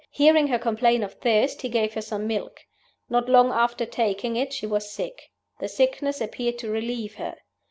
Hearing her complain of thirst, he gave her some milk. Not long after taking it she was sick. The sickness appeared to relieve her.